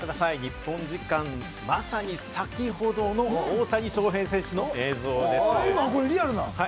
日本時間まさに先ほどの大谷翔平選手の映像です。